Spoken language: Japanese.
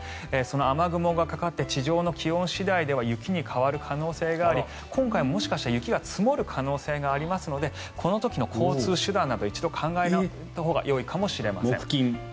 その雨雲がかかって地上の気温次第では雪に変わる可能性があり今回もしかしたら雪が積もる可能性がありますのでこの時の交通手段など一度考えたほうがいいかもしれません。